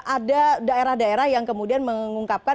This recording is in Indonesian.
ada daerah daerah yang kemudian mengungkapkan